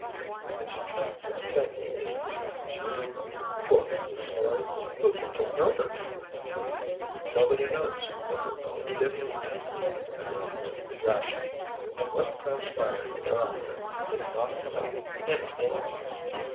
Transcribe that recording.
"It's a dreadful thing, isn't it?" she said. "Poor little Florey who'd want to murder him!" "Nobody knows but we're going to get him, anyway," I promised rashly. And what transpired thereafter did not come out in the inquest.